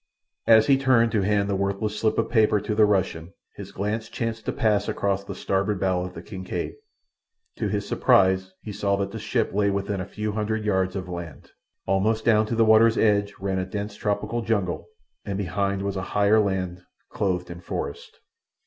As he turned to hand the worthless slip of paper to the Russian his glance chanced to pass across the starboard bow of the Kincaid. To his surprise he saw that the ship lay within a few hundred yards of land. Almost down to the water's edge ran a dense tropical jungle, and behind was higher land clothed in forest.